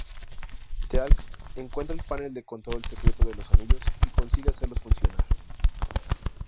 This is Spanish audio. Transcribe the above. Teal'c encuentra el panel de control secreto de los anillos, y consigue hacerlos funcionar.